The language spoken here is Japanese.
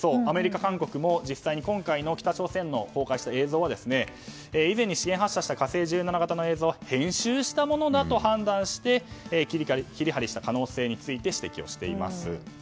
アメリカ、韓国も今回、北朝鮮の公開した映像は以前に試験発射した「火星１７」型の映像を編集したものだと判断して切り貼りした可能性について指摘をしています。